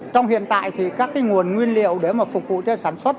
trong hiện tại thì các cái nguồn nguyên liệu để mà phục vụ cho sản xuất